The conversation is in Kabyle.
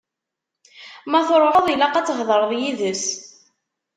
Ma truḥeḍ, ilaq ad thedreḍ yid-s.